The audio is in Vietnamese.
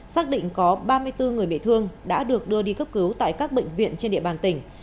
xác định có ba mươi bốn người bị thương đã được đưa đi cấp cứu tại các bệnh viện trên địa bàn tỉnh